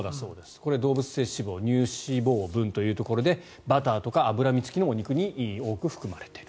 これ、動物性脂肪乳脂肪分というところでバターとか脂身付きのお肉に多く含まれている。